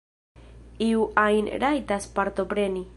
Iu ajn rajtas partopreni.